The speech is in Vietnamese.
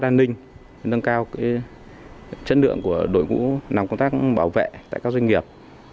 giám sát an ninh nâng cao chất lượng của đội ngũ nằm công tác bảo vệ tại các doanh nghiệp